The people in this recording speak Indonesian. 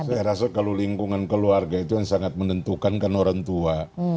saya rasa kalau lingkungan keluarga itu yang sangat menentukan kan orang tua